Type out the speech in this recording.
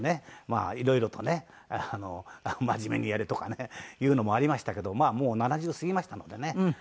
まあいろいろとね「真面目にやれ」とかねいうのもありましたけどもう７０過ぎましたのでね。